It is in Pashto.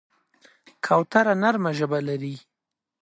کوتره نرمه ژبه لري.